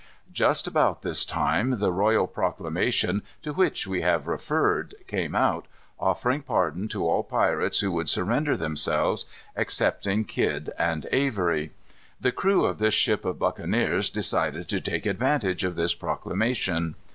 Just about this time the royal proclamation, to which we have referred, came out, offering pardon to all pirates who would surrender themselves, excepting Kidd and Avery. The crew of this ship of buccaneers decided to take advantage of this proclamation.